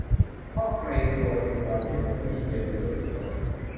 เพราะเกรงกลัวจึงต้องยอมให้ผัวมีเมียเป็นมนุษย์อีกคน